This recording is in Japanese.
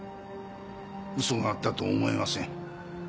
ウソがあったとは思えません。